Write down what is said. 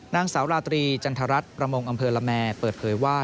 นางสาวราตรีจันทรัฐประมงอำเภอละแมเปิดเผยว่า